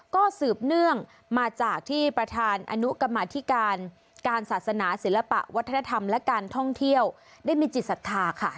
ก็สืบเนื่องมาจากที่ประธานอนุกรรมธิการการศาสนาศิลปะวัฒนธรรมและการท่องเที่ยวได้มีจิตศรัทธาค่ะ